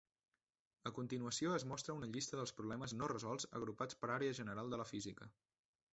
A continuació es mostra una llista dels problemes no resolts agrupats per àrea general de la física.